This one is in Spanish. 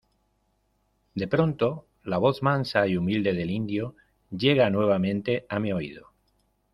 de pronto la voz mansa y humilde del indio llega nuevamente a mi oído.